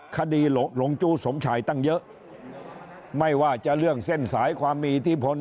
หลงจู้สมชายตั้งเยอะไม่ว่าจะเรื่องเส้นสายความมีอิทธิพล